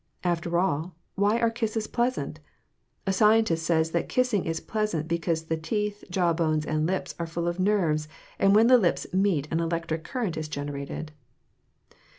After all, why are kisses pleasant? A scientist says that kissing is pleasant because the teeth, jawbones and lips are full of nerves, and when the lips meet an electric current is generated.